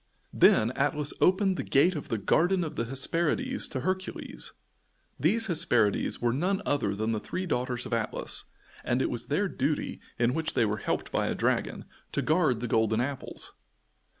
Then Atlas opened the gate of the Garden of the Hesperides to Hercules. These Hesperides were none other than the three daughters of Atlas, and it was their duty, in which they were helped by a dragon, to guard the golden apples.